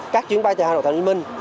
các chuyến bay từ hà nội tàu ninh minh